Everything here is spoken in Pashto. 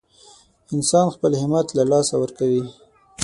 انسان خپل همت له لاسه ورکوي.